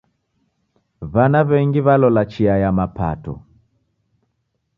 W'ana w'engi w'alola chia ya mapato.